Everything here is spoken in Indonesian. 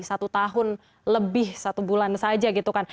satu tahun lebih satu bulan saja gitu kan